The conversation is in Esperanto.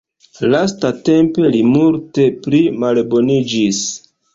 Lastatempe li multe pli malboniĝis.